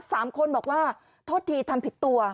สามคนบอกว่าโทษทีทำผิดตัว